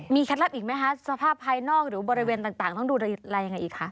เคล็ดลับอีกไหมคะสภาพภายนอกหรือบริเวณต่างต้องดูอะไรยังไงอีกคะ